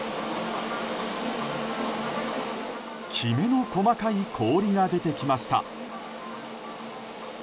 きめの細かい氷が出てきました。